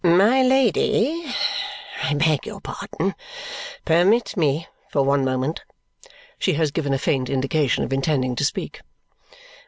"My Lady, I beg your pardon. Permit me, for one moment!" She has given a faint indication of intending to speak.